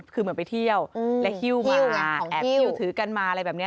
คือเหมือนไปเที่ยวและฮิ้วมาไงแอบหิ้วถือกันมาอะไรแบบนี้